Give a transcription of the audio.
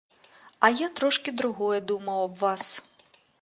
А я трошкі другое думаў аб вас.